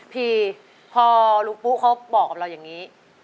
พี่พอลุงปุ๊เขาบอกกับเราอย่างนี้